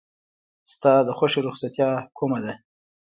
ستا د خوښې رخصتیا کومه ده؟